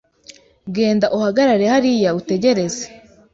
Genda uhagarare hariya utegereze.